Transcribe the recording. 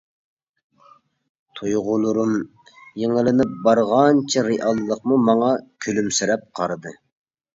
تۇيغۇلىرىم يېڭىلىنىپ بارغانچە رېئاللىقمۇ ماڭا كۈلۈمسىرەپ قارىدى.